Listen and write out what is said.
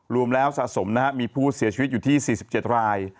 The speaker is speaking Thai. รวมแล้วสะสมมีผู้เสียชีวิตอยู่ที่๔๗ราย